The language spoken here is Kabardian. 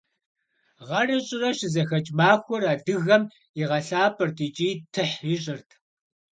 Гъэрэ щӏырэ щызэхэкӏ махуэр адыгэм игъэлӏапӏэрт икӏи тыхь ищӏырт.